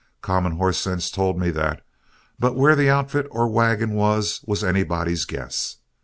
Common horse sense told me that; but where the outfit or wagon was was anybody's guess.